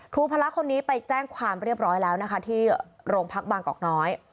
ครูพระละคนนี้ไปแจ้งความเรียบร้อยแล้วที่โรงพักบางกอกน้อย